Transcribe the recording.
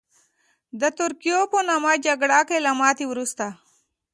د تریاکو په نامه جګړه کې له ماتې وروسته.